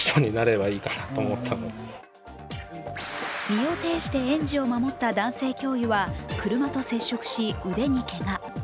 身を挺して園児を守った男性教諭は車と接触し腕にけが。